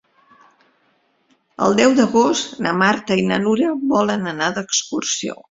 El deu d'agost na Marta i na Nura volen anar d'excursió.